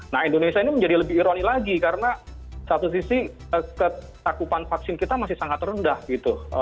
nah indonesia ini menjadi lebih ironi lagi karena satu sisi ketakupan vaksin kita masih sangat rendah gitu